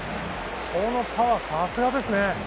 このパワー、さすがですね。